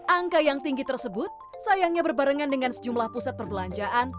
angka yang tinggi tersebut sayangnya berbarengan dengan sejumlah pusat perbelanjaan